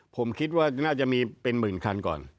ผมคิดว่าน่าจะมีเป็นหมื่นคันก่อน